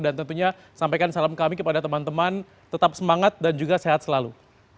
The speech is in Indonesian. dan tentunya sampaikan salam kami kepada teman teman tetap semangat dan juga sehat selalu